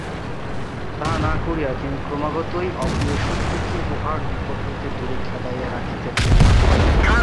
তাহা না করিয়া তিনি ক্রমাগতই অপ্রিয় সত্যকে উহার নিকট হইতে দূরে খেদাইয়া রাখিতেছেন।